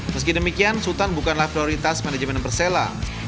meski demikian sultan bukanlah prioritas manajemen persela